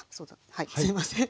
はいすいません。